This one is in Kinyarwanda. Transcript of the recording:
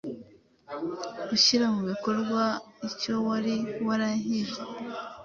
Gushyira mu bikorwa icyo wari warahize;